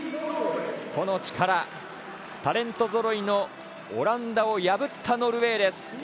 個の力、タレントぞろいのオランダを破ったノルウェーです。